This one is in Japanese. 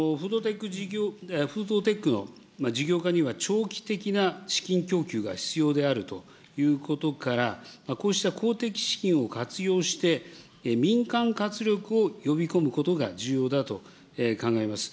フードテックの事業化には、長期的な資金供給が必要であるということから、こうした公的資金を活用して、民間活力を呼び込むことが重要だと考えます。